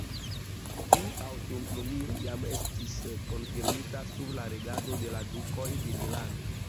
Tiu aŭtonomio jam estis konfirmita sub la regado de la Dukoj de Milano.